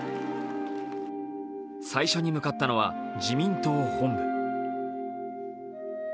最初に向かったのは自民党本部。